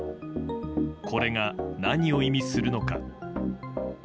これが、何を意味するのか。